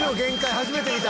初めて見た。